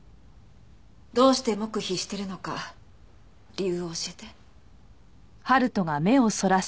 どうして黙秘しているのか理由を教えて。